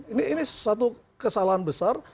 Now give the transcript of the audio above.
ini satu kesalahan besar